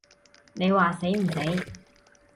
你話死唔死？